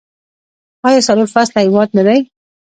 آیا څلور فصله هیواد نه دی؟